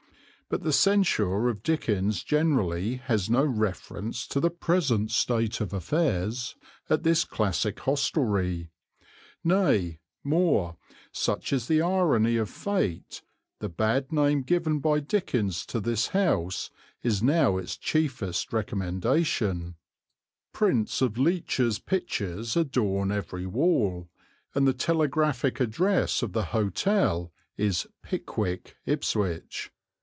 But the censure of Dickens generally has no reference to the present state of affairs at this classic hostelry; nay, more, such is the irony of fate, the bad name given by Dickens to this house is now its chiefest recommendation: prints of Leech's pictures adorn every wall, and the telegraphic address of the hotel is "Pickwick," Ipswich.